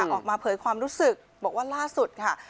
ออกมาเผยความรู้สึกบอกว่าล่าสุดค่ะ